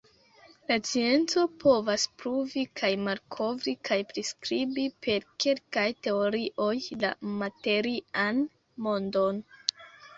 La scienco povas pruvi kaj malkovri kaj priskribi per kelkaj teorioj la materian mondon.